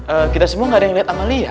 um kita semua gak ada yang liat amalia